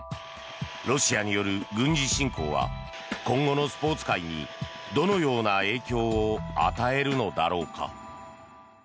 ロシアによる軍事侵攻は今後のスポーツ界にどのような影響を与えるのだろうか。